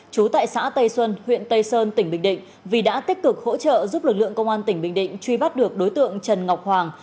chú tại xã tây xuân huyện tây sơn tỉnh bình định vì đã tích cực hỗ trợ giúp lực lượng công an tỉnh bình định truy bắt được đối tượng trần ngọc hoàng